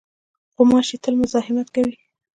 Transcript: غوماشې تل مزاحمت کوي.